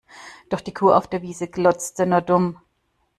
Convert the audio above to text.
Doch die Kuh auf der Wiese glotzte nur dumm.